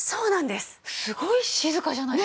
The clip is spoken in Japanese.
すごい静かじゃないですか？